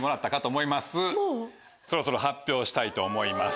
そろそろ発表したいと思います。